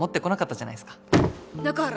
中原！